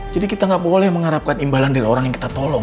kita nggak boleh mengharapkan imbalan dari orang yang kita tolong